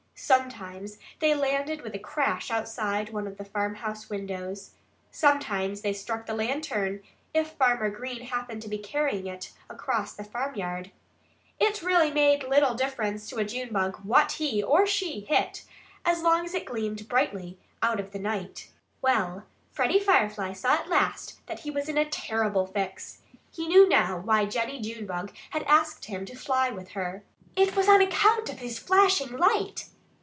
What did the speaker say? Sometimes they landed with a crash against one of the farmhouse windows. Sometimes they struck the lantern, if Farmer Green happened to be carrying it across the farmyard. It really made little difference to a Junebug what he or she hit, so long as it gleamed brightly out of the night. Well, Freddie Firefly saw at last that he was in a terrible fix. He knew now why Jennie Junebug had asked him to fly with her. It was on account of his flashing light!